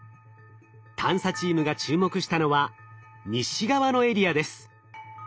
探査チームが注目したのは西側のエリアです。